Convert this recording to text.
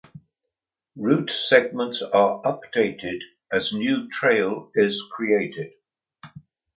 Route segments are updated as new trail is created.